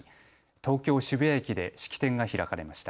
東京渋谷駅で式典が開かれました。